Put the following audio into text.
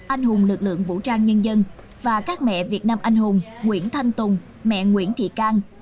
anh hùng lực lượng vũ trang nhân dân và các mẹ việt nam anh hùng nguyễn thanh tùng mẹ nguyễn thị cang